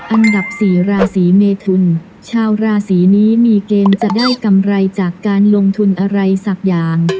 อันดับสี่ราศีเมทุนชาวราศีนี้มีเกณฑ์จะได้กำไรจากการลงทุนอะไรสักอย่าง